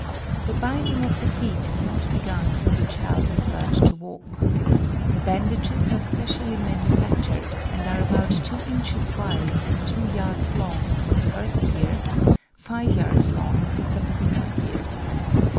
The binding of the feet is not begun till the child has learnt to walk. The bandages are specially manufactured, and are about two inches wide and two yards long for the first year, five yards long for subsequent years.